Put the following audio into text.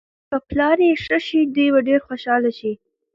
که پلار یې ښه شي، دوی به ډېر خوشحاله شي.